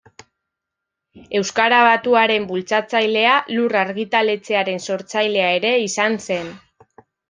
Euskara batuaren bultzatzailea, Lur argitaletxearen sortzailea ere izan zen.